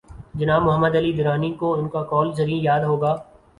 جناب محمد علی درانی کوان کا قول زریں یاد ہو گا۔